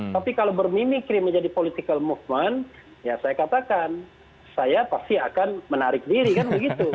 tapi kalau bermimikri menjadi political movement ya saya katakan saya pasti akan menarik diri kan begitu